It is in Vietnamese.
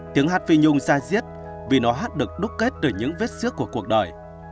tiếng hát phi nhung ra diết vì nó hát được đúc kết từ những vết xước của cuộc đời